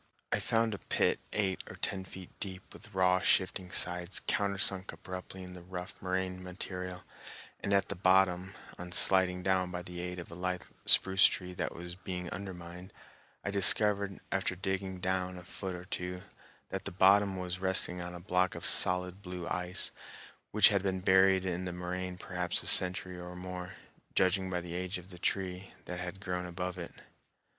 I found a pit eight or ten feet deep with raw shifting sides countersunk abruptly in the rough moraine material, and at the bottom, on sliding down by the aid of a lithe spruce tree that was being undermined, I discovered, after digging down a foot or two, that the bottom was resting on a block of solid blue ice which had been buried in the moraine perhaps a century or more, judging by the age of the tree that had grown above it.